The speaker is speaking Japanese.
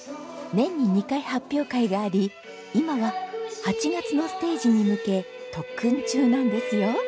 年に２回発表会があり今は８月のステージに向け特訓中なんですよ。